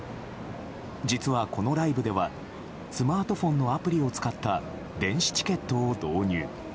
実は、このライブではスマートフォンのアプリを使った電子チケットを導入。